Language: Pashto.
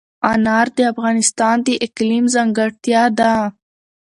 انار د افغانستان د اقلیم ځانګړتیا ده.